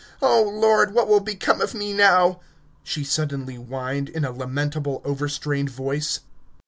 Oh, Lord! What will become of me now?" she suddenly whined in a lamentable overstrained voice.